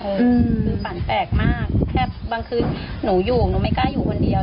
คือฝันแปลกมากแค่บางคืนหนูอยู่หนูไม่กล้าอยู่คนเดียว